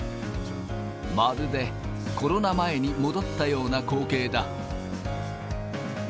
まるで、コロナ前に戻ったような光景だ。